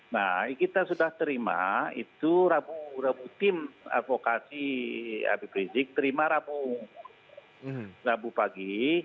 nah kita sudah terima itu rabu rabu tim avokasi biprisik terima rabu rabu pagi